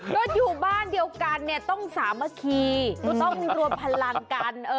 โดยอยู่บ้านเดียวกันต้องสามัคคีต้องรวมพลังกัน